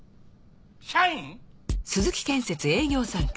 社員！？